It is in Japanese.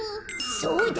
そうだ！